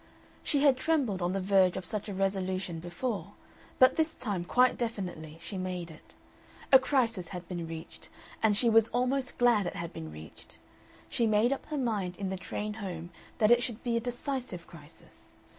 She had trembled on the verge of such a resolution before, but this time quite definitely she made it. A crisis had been reached, and she was almost glad it had been reached. She made up her mind in the train home that it should be a decisive crisis.